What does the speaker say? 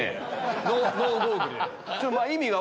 ノーゴーグルで。